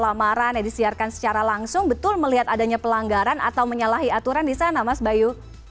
lamaran yang disiarkan secara langsung betul melihat adanya pelanggaran atau menyalahi aturan di sana mas bayu